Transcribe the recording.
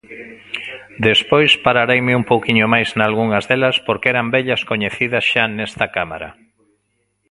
Despois parareime un pouquiño máis nalgunhas delas porque eran vellas coñecidas xa nesta Cámara.